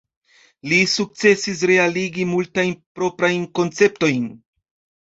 Li sukcesis realigi multajn proprajn konceptojn.